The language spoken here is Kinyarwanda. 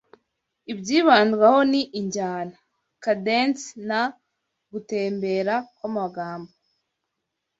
Ibyibandwaho ni injyana, cadence na "gutembera" kwamagambo